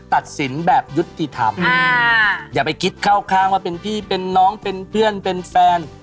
ตัดสินแบบยุติธรรมอย่าไปคิดเข้าข้างว่าเป็นพี่เป็นน้องเป็นเพื่อนเป็นแฟน